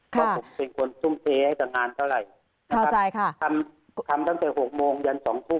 ว่าผมเป็นคนทุ่มเทให้ตั้งนานเท่าไหร่ทำตั้งแต่๖โมงยัน๒ทุ่มนะครับ